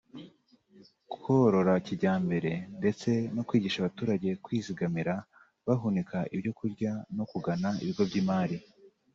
korora kijyambere ndetse no kwigisha abaturage kwizigamira bahunika ibyo kurya no kugana ibigo by’imari